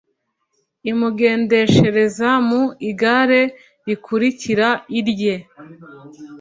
amugendeshereza mu igare rikurikira irye